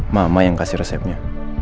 mama yang kasih resepnya